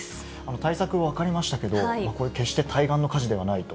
対策は分かりましたけど、これ、決して対岸の火事ではないと。